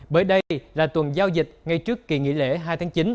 bởi đây là tuần giao dịch ngay trước kỳ nghỉ lễ hai tháng chín